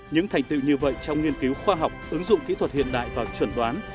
những thành tựu như vậy trong nghiên cứu khoa học ứng dụng kỹ thuật hiện đại và chuẩn đoán